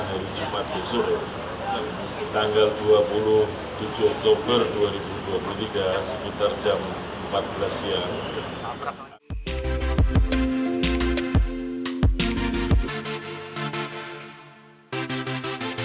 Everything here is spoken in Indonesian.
hari jumat besok tanggal dua puluh tujuh oktober dua ribu dua puluh tiga sekitar jam empat belas siang